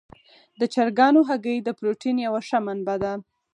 د چرګانو هګۍ د پروټین یوه ښه منبع ده.